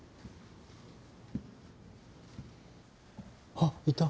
あっいた。